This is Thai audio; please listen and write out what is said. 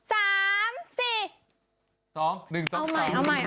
เอาใหม่เอาใหม่เอาใหม่ค่ะ